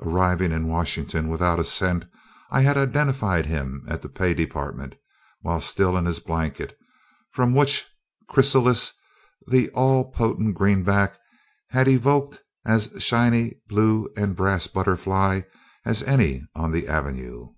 Arriving in Washington, without a cent, I had identified him at the pay department, while still in his blanket, from which chrysalis the all potent greenback had evoked as shiny a blue and brass butterfly as any on the avenue.